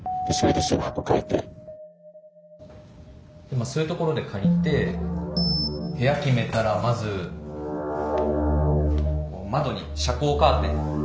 まあそういうところで借りて部屋決めたらまず窓に遮光カーテン。